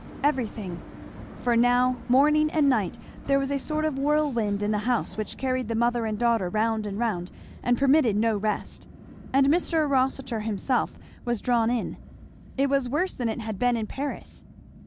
Everything, for now morning and night there was a sort of whirlwind in the house which carried the mother and daughter round and round and permitted no rest; and Mr. Rossitur himself was drawn in. It was worse than it had been in Paris.